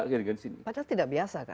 padahal tidak biasa kan